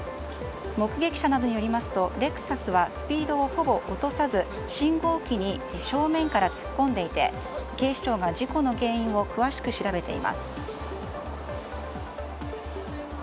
目撃者などによりますとレクサスはスピードをほぼ落とさず信号機に正面から突っ込んでいて警視庁が事故の原因を詳しく調べています。